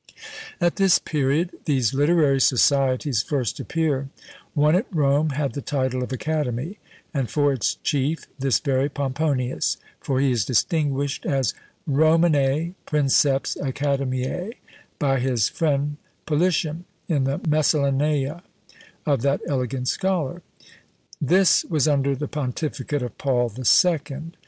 At this period these literary societies first appear: one at Rome had the title of "Academy," and for its chief this very Pomponius; for he is distinguished as "RomanÃḊ Princeps AcademiÃḊ," by his friend Politian, in the "Miscellanea" of that elegant scholar. This was under the pontificate of Paul the Second.